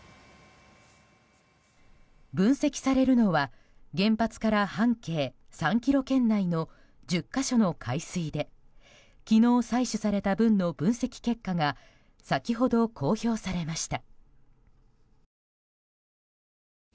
分析されるのは原発から半径３ｋｍ圏内の１０か所の海水で昨日採取された分の分析結果が先ほど公表されました。